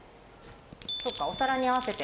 そっかお皿に合わせて。